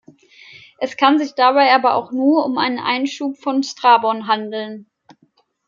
Es kann sich dabei aber auch nur um einen Einschub von Strabon handeln.